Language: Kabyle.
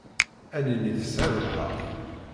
Ad nini tesɛiḍ lḥeqq.